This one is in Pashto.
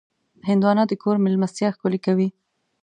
هندوانه د کور مېلمستیا ښکلې کوي.